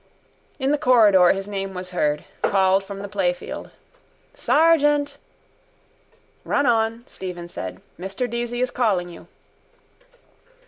In the corridor his name was heard, called from the playfield. —Sargent! —Run on, Stephen said. Mr Deasy is calling you.